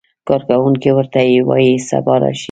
کارکوونکی ورته وایي سبا راشئ.